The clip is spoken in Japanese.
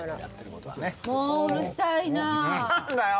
もううるさいな。何だよ！